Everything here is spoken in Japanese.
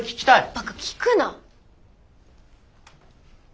バカ聞くな。